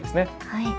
はい。